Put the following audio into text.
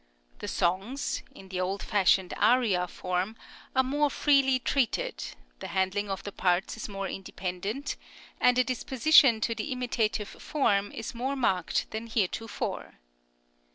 The songs in the old fashioned aria form are more freely treated, the handling of the parts is more independent, and a disposition to the imitative form is more marked than heretofore.